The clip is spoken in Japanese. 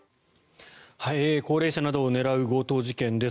高齢者などを狙う強盗事件です。